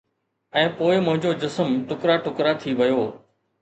۽ پوءِ منهنجو جسم ٽڪرا ٽڪرا ٿي ويو